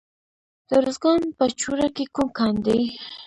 د ارزګان په چوره کې کوم کان دی؟